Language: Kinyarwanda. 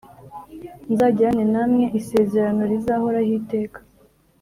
nzagirane namwe isezerano rizahoraho iteka.